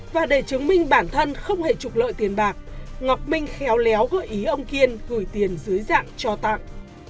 và để chứng minh bản thân không hề trục lợi tiền bạc ngọc minh khéo léo gợi ý ông kiên gửi tiền dưới dạng cho tặng